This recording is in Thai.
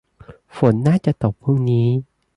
ฝนน่าจะตกพรุ่งนี้